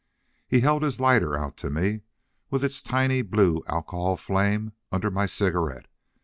He held his lighter out to me, with its tiny blue alcohol flame under my cigarette.